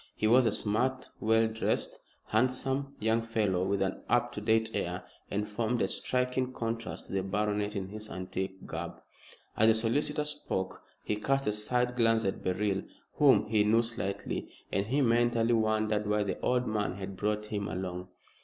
He was a smart, well dressed, handsome young fellow with an up to date air, and formed a striking contrast to the baronet in his antique garb. As the solicitor spoke he cast a side glance at Beryl, whom he knew slightly, and he mentally wondered why the old man had brought him along.